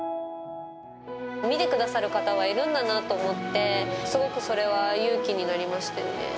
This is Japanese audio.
見てくださる方はいるんだなと思って、すごくそれは勇気になりましたよね。